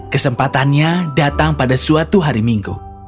kesempatannya datang pada suatu hari minggu